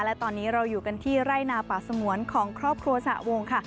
และตอนนี้เราอยู่กันที่ไร่นาป่าสงวนของครอบครัวสระวงค่ะ